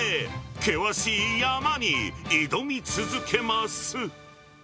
険しい山に挑み続けます。